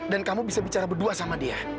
dan kamu bisa bicara berdua sama dia